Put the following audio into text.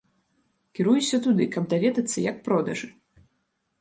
Кіруюся туды, каб даведацца, як продажы.